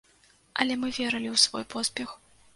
Але мы верылі ў свой поспех.